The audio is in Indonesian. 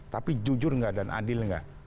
tapi jujur nggak dan adil nggak